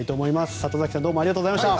里崎さんでしたどうもありがとうございました。